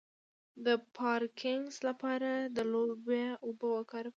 د پارکینسن لپاره د لوبیا اوبه وکاروئ